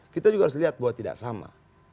kita juga harus lihat bahwa tidak sama